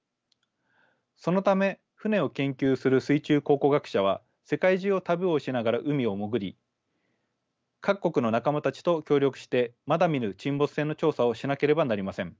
そのため船を研究する水中考古学者は世界中を旅をしながら海を潜り各国の仲間たちと協力してまだ見ぬ沈没船の調査をしなければなりません。